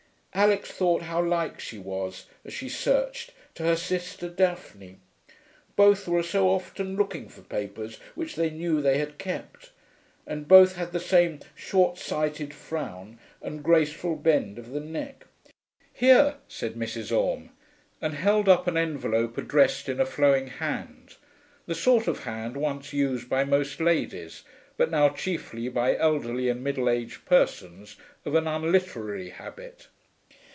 Alix thought how like she was, as she searched, to her sister Daphne; both were so often looking for papers which they knew they had kept; and both had the same short sighted frown and graceful bend of the neck. 'Here,' said Mrs. Orme, and held up an envelope addressed in a flowing hand the sort of hand once used by most ladies, but now chiefly by elderly and middle aged persons of an unliterary habit.